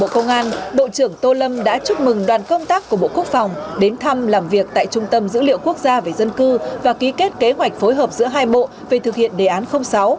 bộ công an bộ trưởng tô lâm đã chúc mừng đoàn công tác của bộ quốc phòng đến thăm làm việc tại trung tâm dữ liệu quốc gia về dân cư và ký kết kế hoạch phối hợp giữa hai bộ về thực hiện đề án sáu